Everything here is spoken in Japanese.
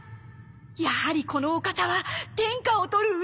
やはりこのお方は天下を取る器の人なのか！